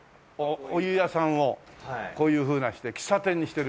お湯屋さんをこういうふうにして喫茶店にしてる。